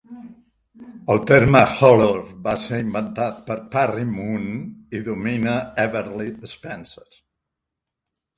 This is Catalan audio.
El terme "holor" va ser inventat per Parry Moon i Domina Eberle Spencer.